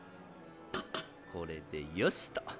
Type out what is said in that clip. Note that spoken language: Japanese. これでよしと。